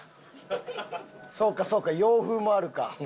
そうかそうか洋風もあるか。